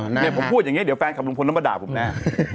เนี่ยผมพูดอย่างนี้เดี๋ยวแฟนคลับลุงพลต้องมาด่าผมแน่